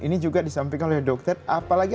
ini juga disampaikan oleh dokter apalagi